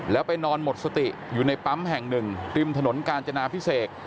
แล้วไปนอนหมดสติอยู่ในปั๊มแห่งหนึ่งริมถนนกาญจนาพิเศษ